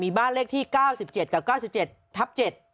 บ้านเลขที่๙๗กับ๙๗ทับ๗